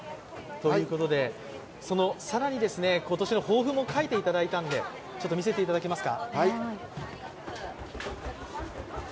更に、今年の抱負も書いていただいたので、見せていただけますか？